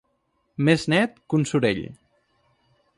Més net que un sorell.